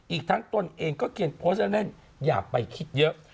อีกทั้งตนเองก็เขียนโพสต์เล่นอย่าไปคิดเยอะ